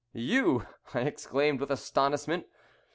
"You!" I exclaimed, with astonishment.